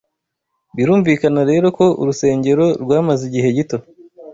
Birumvikana rero ko urusengero rwamaze igihe gito